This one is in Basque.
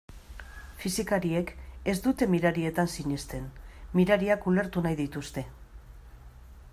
Fisikariek ez dute mirarietan sinesten, mirariak ulertu nahi dituzte.